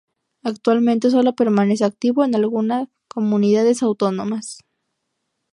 Actualmente sólo permanece activo en alguna comunidades autónomas.